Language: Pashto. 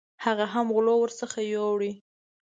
هغه هم غلو ورڅخه یوړې.